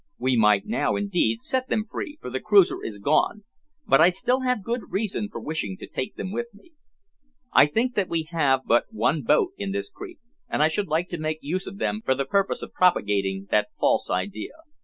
We might now, indeed, set them free, for the cruiser is gone, but I still have good reason for wishing to take them with me. They think that we have but one boat in this creek, and I should like to make use of them for the purpose of propagating that false idea.